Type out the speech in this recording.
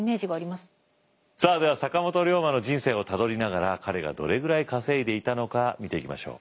さあでは坂本龍馬の人生をたどりながら彼がどれぐらい稼いでいたのか見ていきましょう。